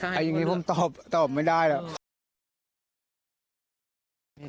อะไรอย่างนี้พ่อมันตอบตอบไม่ได้หรอก